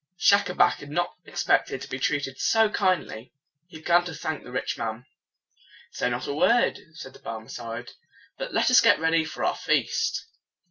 Schacabac had not expected to be treated so kindly. He began to thank the rich man. "Say not a word," said the Barmecide, "but let us get ready for the feast."